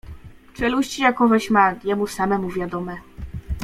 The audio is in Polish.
Czeluści jakoweś ma, jemu samemu wiadome.